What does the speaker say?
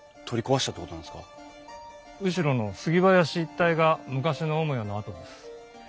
後ろの杉林一帯が昔の主屋の跡です。